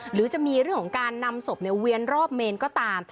หรือจะมีเรื่องของการนำศพเวียนรอบเมนก็ตาม